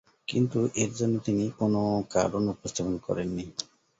কিন্তু এর জন্য তিনি কোন কারণ উপস্থাপন করেননি।